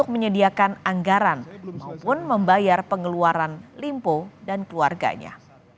menyediakan anggaran maupun membayar pengeluaran limpo dan keluarganya